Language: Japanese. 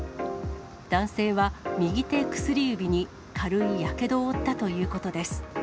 男性は右手薬指に軽いやけどを負ったということです。